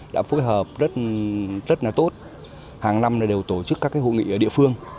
đã phối hợp rất là tốt hàng năm đều tổ chức các hội nghị ở địa phương